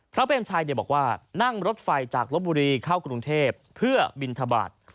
เปรมชัยบอกว่านั่งรถไฟจากลบบุรีเข้ากรุงเทพเพื่อบินทบาท